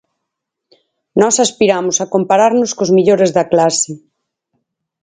Nós aspiramos a compararnos cos mellores da clase.